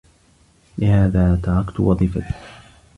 لهذا تركت وظيفتي.